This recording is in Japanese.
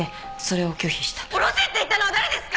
おろせって言ったのは誰ですか！